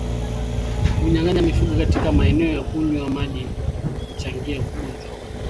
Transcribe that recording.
Kunyanganya mifugo katika maeneo ya kunywea maji huchangia ugonjwa huu